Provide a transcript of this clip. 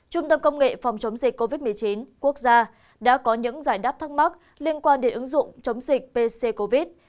trung tâm công nghệ phòng chống dịch covid một mươi chín quốc gia đã có những giải đáp thắc mắc liên quan đến ứng dụng chống dịch pc covid